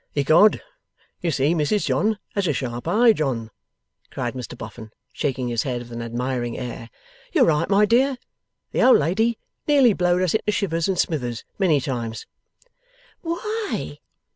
'Ecod, you see Mrs John has a sharp eye, John!' cried Mr Boffin, shaking his head with an admiring air. 'You're right, my dear. The old lady nearly blowed us into shivers and smithers, many times.' 'Why?